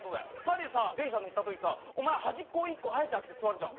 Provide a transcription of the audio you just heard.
２人でさ電車乗ったときさお前端っこ１個あえて空けて座るじゃん。